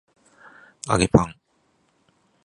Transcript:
揚げパン